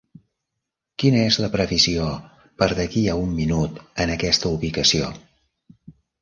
Quina és la previsió per d'aquí a un minut en aquesta ubicació